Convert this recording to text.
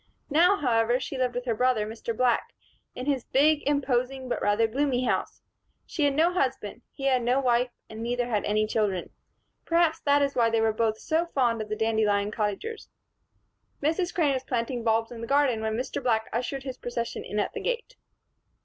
Now, however, she lived with her brother, Mr. Black, in his big, imposing, but rather gloomy house. She had no husband, he had no wife and neither had any children. Perhaps that is why they were both so fond of the Dandelion Cottagers. Mrs. Crane was planting bulbs in the garden when Mr. Black ushered his procession in at the gate.